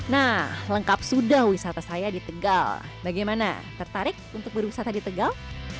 nah lengkap sudah wisata saya di tegal bagaimana tertarik untuk berwisata di tegal